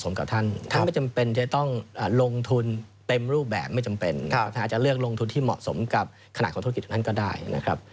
ไม่จำเป็นถ้าอาจจะเลือกลงทุนที่เหมาะสมกับขนาดของธุรกิจของท่านก็ได้นะครับ